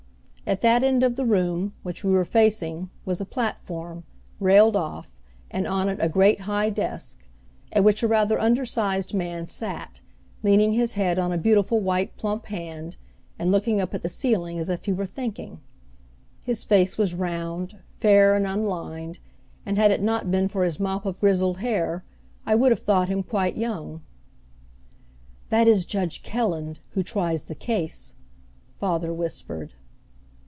At that end of the room which we were facing was a platform, railed off, and on it a great high desk, at which a rather undersized man sat, leaning his head on a beautiful white plump hand, and looking up at the ceiling as if he were thinking. His face was round, fair and unlined, and had it not been for his mop of grizzled hair I would have thought him quite young. "That is Judge Kelland, who tries the case," father whispered.